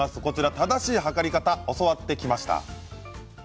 正しい測り方を教わってきました。